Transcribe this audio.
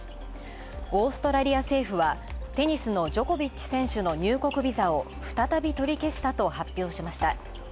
オーストラリア政府はテニスのジョコビッチ選手の入国ビザを再び取り消したと発表しました。